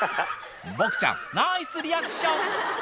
ボクちゃんナイスリアクション